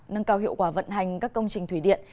nâng cao hiệu quả vận hành các công trình thủy điện